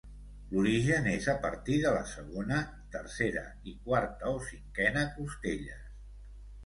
L'origen és a partir de la segona, tercera i quarta o cinquena costelles.